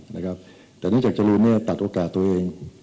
นอกจากแต่จดูมนี่ตัดโอกาสตัวเอง